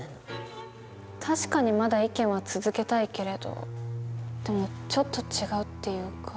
確かにまだ意見は続けたいけれどでもちょっと違うっていうか。